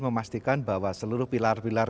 memastikan bahwa seluruh pilar pilar